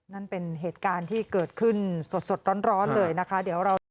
นั่นเป็นเหตุการณ์ที่เกิดขึ้นสดร้อนเลยนะคะ